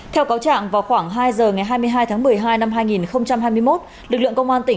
theo cáo trạng vào khoảng hai h ngày hai mươi hai tháng một mươi hai năm hai nghìn hai mươi một